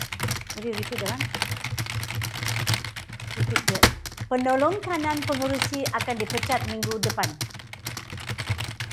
Penolong kanan pengerusi akan dipecat minggu depan.